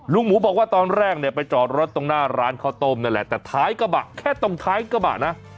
หมูบอกว่าตอนแรกเนี่ยไปจอดรถตรงหน้าร้านข้าวต้มนั่นแหละแต่ท้ายกระบะแค่ตรงท้ายกระบะนะ